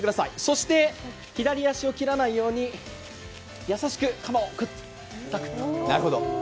そして左足を切らないように優しく鎌をクッと。